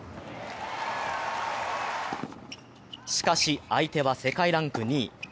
しかし、相手は世界ランク２位。